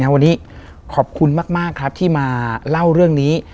วันนี้ขอบคุณมากครับที่มาเล่าเรื่องนี้